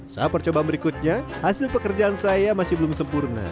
saat percobaan berikutnya hasil pekerjaan saya masih belum sempurna